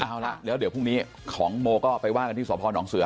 เอาละแล้วเดี๋ยวพรุ่งนี้ของโมก็ไปว่ากันที่สพนเสือ